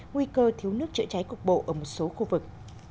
nguy cơ thiếu nước chữa cháy cục bộ ở một số khu vực